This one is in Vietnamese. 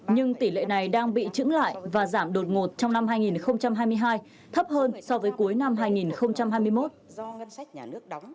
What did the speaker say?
nhưng tỷ lệ này đang bị trứng lại và giảm đột ngột trong năm hai nghìn hai mươi hai thấp hơn so với cuối năm hai nghìn hai mươi một